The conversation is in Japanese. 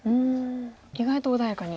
意外と穏やかに。